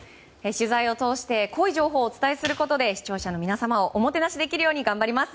取材を通して、濃い情報をお伝えすることで視聴者の皆様をおもてなしできるように頑張ります。